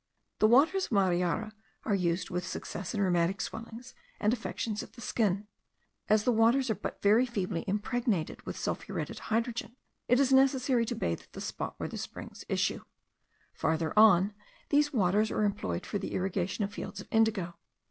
The waters of Mariara are used with success in rheumatic swellings, and affections of the skin. As the waters are but very feebly impregnated with sulphuretted hydrogen, it is necessary to bathe at the spot where the springs issue. Farther on, these same waters are employed for the irrigation of fields of indigo.